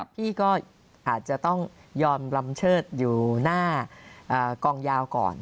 พี่ก็อาจจะต้องยอมลำเชิดอยู่หน้ากองยาวก่อน